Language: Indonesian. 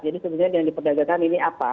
jadi sebenarnya yang diperdagangkan ini apa